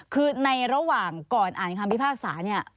คือในระหว่างก่อนอ่านคำพิพากษาเนี่ย